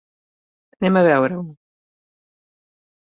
Anem a veure-ho!